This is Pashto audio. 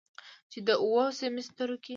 چې دا اووه سميسترو کې